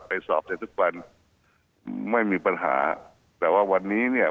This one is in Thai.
สอบได้ทุกวันไม่มีปัญหาแต่ว่าวันนี้เนี่ย